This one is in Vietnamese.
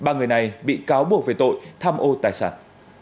ba người này bị cáo buộc về tội tham ô tài sản